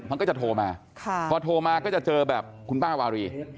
มันก็จะโทรมาพอโทรมาก็จะเจอแบบคุณป้าวารี